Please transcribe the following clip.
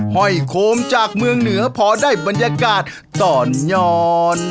ห้อยโคมจากเมืองเหนือพอได้บรรยากาศตอนย้อน